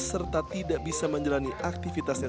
serta tidak bisa menjalani aktivitasnya